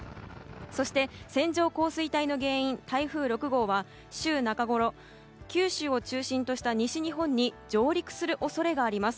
そして、線状降水帯の原因台風６号は週中ごろ九州を中心とした西日本に上陸する恐れがあります。